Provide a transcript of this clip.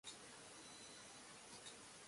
お前らいい加減にしろよ